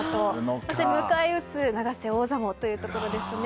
そして、迎え撃つ永瀬王座もというところですね。